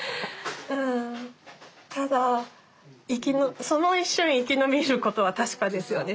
ただその一瞬生き延びることは確かですよね。